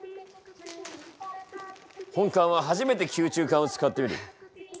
本官は初めて吸虫管を使ってみる。